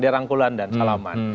dia rangkulan dan salaman